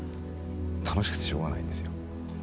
楽しくてしょうがないんですよ。